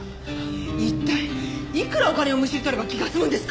一体いくらお金をむしり取れば気が済むんですか！